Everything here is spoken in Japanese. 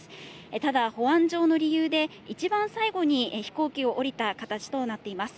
ただ、保安上の理由で、一番最後に飛行機を降りた形となっています。